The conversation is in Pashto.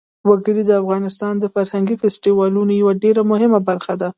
وګړي د افغانستان د فرهنګي فستیوالونو یوه ډېره مهمه برخه ده.